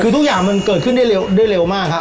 ทุกอย่างมันเกิดขึ้นได้เร็วมาก